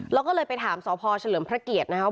เราก็เลยไปถามสพเฉลิมพระเกียรตินะครับ